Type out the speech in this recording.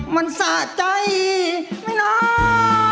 มันสะใจไม่น้อย